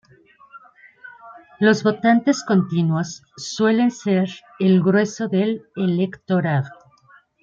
Los votantes continuos suelen ser el grueso del electorado.